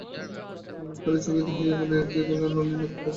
নবীনকালী চকিত হইয়া বলিয়া উঠি গো, নলিনাক্ষ ডাক্তার আসিয়াছেন।